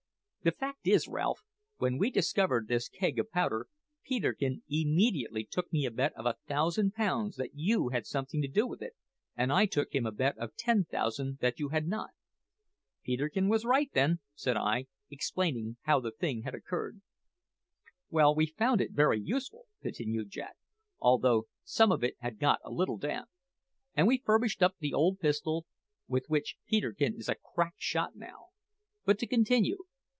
The fact is, Ralph, when we discovered this keg of powder Peterkin immediately took me a bet of a thousand pounds that you had something to do with it, and I took him a bet of ten thousand that you had not." "Peterkin was right, then," said I, explaining how the thing had occurred. "Well, we found it very useful," continued Jack, "although some of it had got a little damp; and we furbished up the old pistol, with which Peterkin is a crack shot now. But to continue.